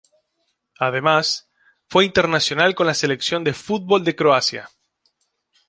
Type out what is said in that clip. Además, fue internacional con la selección de fútbol de Croacia.